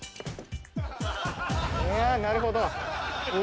なるほど！